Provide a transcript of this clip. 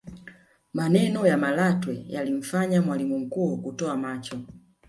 maneno ya malatwe yalimfanya mwalimu mkuu kutoa macho